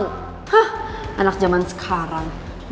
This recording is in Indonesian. hah anak jaman sekarang